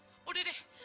hah udah deh